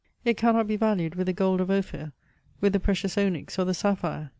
It cannot be valued with the gold of Ophir, with the precious onyx, or the sapphire.